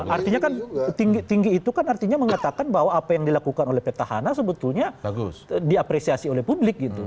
artinya kan tinggi itu kan artinya mengatakan bahwa apa yang dilakukan oleh petahana sebetulnya diapresiasi oleh publik gitu